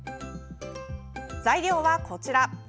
材料は、こちら。